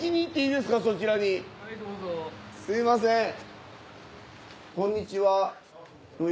すみません